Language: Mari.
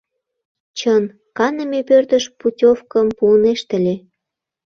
Чын, каныме пӧртыш путевкым пуынешт ыле.